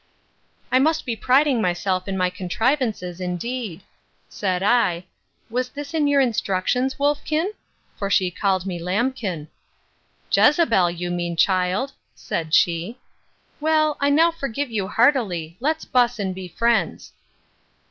I must be priding myself in my contrivances, indeed! said I. Was this your instructions, wolfkin? (for she called me lambkin). Jezebel, you mean, child! said she.—Well, I now forgive you heartily; let's buss and be friends.